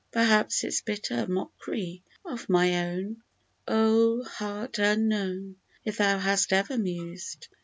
Perhaps its bitter mock'ry of my own ! Oh ! Heart unknown ! If thou hast ever mused.